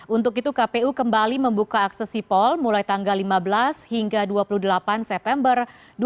untuk itu kpu kembali membuka akses sipol mulai tanggal lima belas hingga dua puluh delapan september dua ribu dua puluh